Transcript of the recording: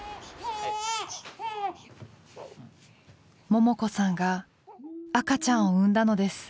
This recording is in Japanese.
ももこさんが赤ちゃんを産んだのです。